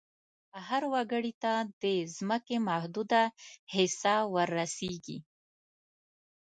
هر وګړي ته د ځمکې محدوده حصه ور رسیږي.